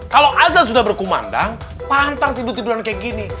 kalau azan sudah berkumandang pantang tidur tiduran kayak gini